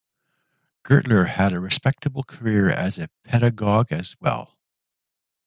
Gertler had a respectable career as a pedagogue, as well.